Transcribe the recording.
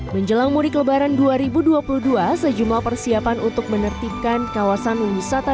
menjelang mudik lebaran dua ribu dua puluh dua sejumlah persiapan untuk menertibkan kawasan wisata